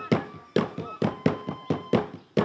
bila tidak ada sahabat inap itu